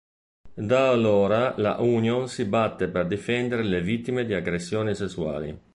Da allora la Union si batte per difendere le vittime di aggressioni sessuali.